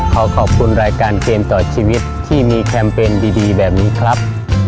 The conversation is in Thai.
ขอขอบคุณรายการเกมต่อชีวิตที่มีแคมเปญดีแบบนี้ครับ